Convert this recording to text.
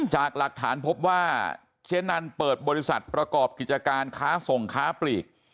จากหลักฐานพบว่าเจ๊นันเปิดบริษัทประกอบกิจการค้าส่งค้าปลีก